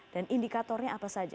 dan indikatornya apa saja